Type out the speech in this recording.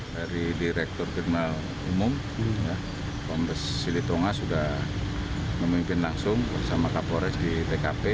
dari direktur kriminal umum kombes silitonga sudah memimpin langsung bersama kapolres di tkp